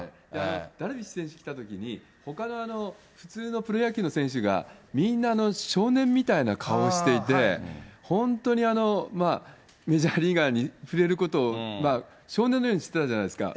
ダルビッシュ選手来たときに、ほかの普通のプロ野球の選手が、みんな少年みたいな顔をしていて、本当にメジャーリーガーに触れることを少年のようにしてたじゃないですか。